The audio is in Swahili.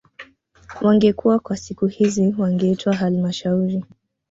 Wangekuwa kwa siku hizi wangewaita halmashauri